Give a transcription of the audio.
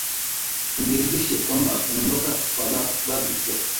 nijiridhishe kwamba kuondoka kwa bagbo